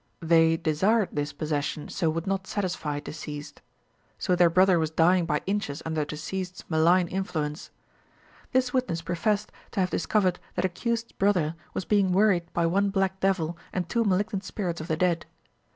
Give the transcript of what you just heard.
They desired this possession, so would not satisfy deceased. So their brother was dying by inches under deceased's malign influence. This witness professed to have discovered that accused's brother was being worried by one black devil and two malignant spirits of the dead.